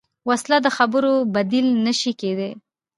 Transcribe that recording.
وسله د خبرو بدیل نه شي کېدای